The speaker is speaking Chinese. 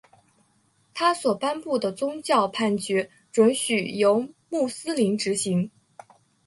他所颁布的宗教判决准许由穆斯林执行。